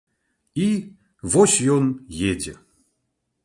І вось ён едзе.